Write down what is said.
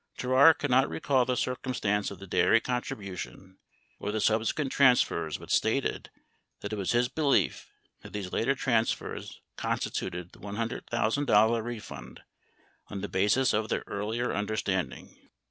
Terrar could not recall the circumstance of the dairy contribution or the subsequent transfers but stated that it was his belief that those later transfers constituted the $100,000 refund on the basis of their earlier understanding.